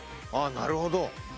ああなるほど。